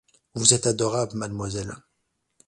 Vous êtes adorable, mademoiselle.